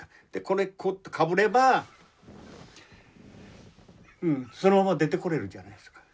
これこうかぶればそのまま出てこれるじゃないですか。